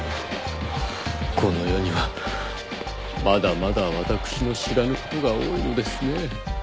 この世にはまだまだ私の知らぬことが多いのですね。